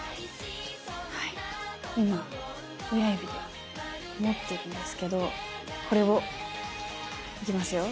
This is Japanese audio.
はい今親指で持ってるんですけどこれをいきますよ。